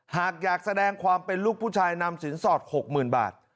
หากอยากแสดงความเป็นลูกผู้ชายนำสินสอด๖๐๐๐บาท